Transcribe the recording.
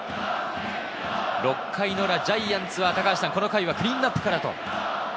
６回の裏、ジャイアンツはこの回、クリーンナップから。